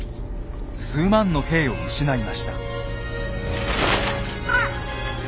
数万の兵を失いました。